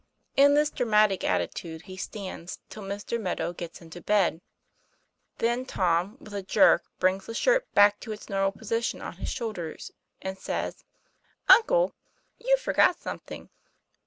In this dramatic attitude he stands till Mr. Meadow gets into bed. Then Tom with a jerk brings the shirt back to its normal posi tion on his shoulders, and says: "Uncle, you've forgot something."